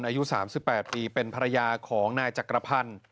อายุ๓๘ปีเป็นภรรยาของนายจักรพันธ์